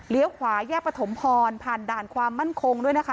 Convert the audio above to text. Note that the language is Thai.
ขวาแยกประถมพรผ่านด่านความมั่นคงด้วยนะคะ